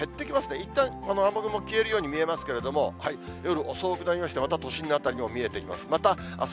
いったん、雨雲消えるように見えますけれども、夜遅くなりまして、また都心の辺りにも見えてきます。